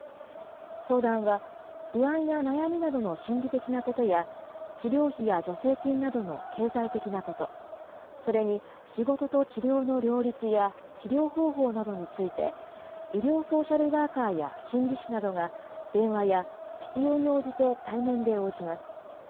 相談は不安や悩みなどの心理的なことや、治療費や助成金などの経済的なこと、それに仕事と治療の両立や治療方法などについて、医療ソーシャルワーカーや心理士などが、電話や、必要に応じて対面で応じます。